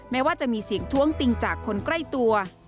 แม้ว่าจะมีเสียงท้วงติงจากคนใกล้ตัว